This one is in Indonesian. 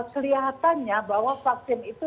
kelihatannya bahwa vaksin itu